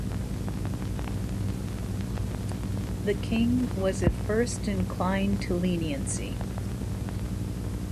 The king was at first inclined to leniency.